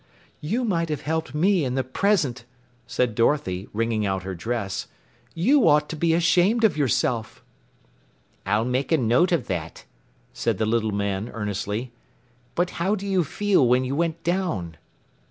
"You might have helped me in the present," said Dorothy, wringing out her dress. "You ought to be ashamed of yourself." "I'll make a note of that," said the little man earnestly. "But how did you feel when you went down?"